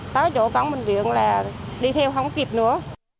tôi có một việc là đi theo không kịp nữa